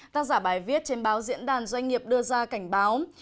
tác giả bài viết trên báo diễn đàn doanh nghiệp đưa ra cảnh báo